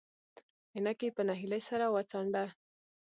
عينکي په نهيلۍ سر وڅنډه.